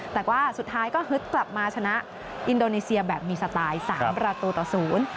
แต่ว่าสุดท้ายก็ฮึดกลับมาชนะอินโดนีเซียแบบมีสไตล์สามประตูต่อศูนย์